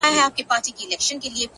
• هغه وه تورو غرونو ته رويا وايي،